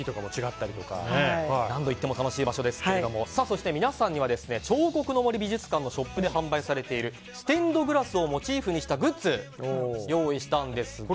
何度行っても楽しい場所ですが皆さんには彫刻の森美術館のショップで販売されているステンドグラスをモチーフにしたグッズを用意したんですが。